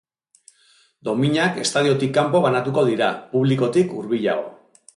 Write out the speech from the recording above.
Dominak estadiotik kanpo banatuko dira, publikotik hurbilago.